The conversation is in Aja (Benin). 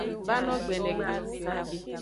Vano gbenegbe o.